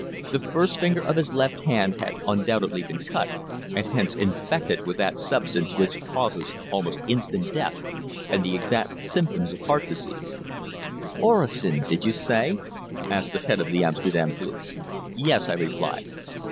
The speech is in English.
The first finger of his left hand had undoubtedly been cut, and hence infected with that substance which causes almost instant death and the exact symptoms of heart disease." "Orosin did you say?" asked the head of the Amsterdam police. "Yes," I replied.